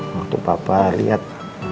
waktu bapak lihat